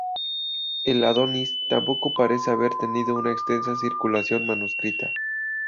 El "Adonis" tampoco parece haber tenido una extensa circulación manuscrita.